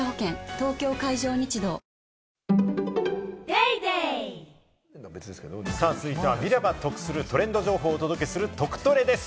東京海上日動続いては、見れば得するトレンド情報をお届けする「トクトレ」です。